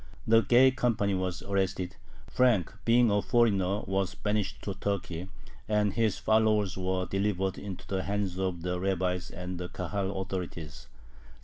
The gay company was arrested, Frank, being a foreigner, was banished to Turkey, and his followers were delivered into the hands of the rabbis and the Kahal authorities (1756).